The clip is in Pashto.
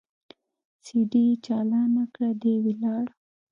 سي ډي يې چالانه کړه دى ولاړ.